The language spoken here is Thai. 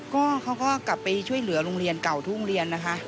ก็เขาก็กลับไปช่วยเหลือโรงเรียนเก่าทุ่งเรียนนะคะ